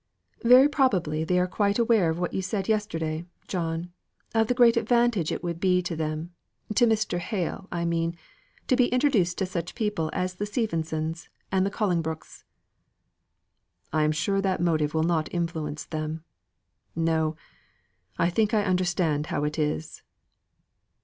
"Very probably they are quite aware of what you said yesterday, John of the great advantage it would be to them to Mr. Hale, I mean, to be introduced to such people as the Stephenses and the Collingbrooks." "I'm sure that motive would not influence them. No! I think I understand how it is."